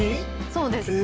そうです。